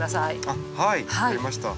あっはい分かりました。